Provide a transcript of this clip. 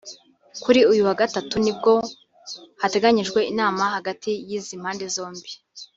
Kuri uyu wa Gatanu nibwo hateganyijwe inama hagati y’izi mpande zombi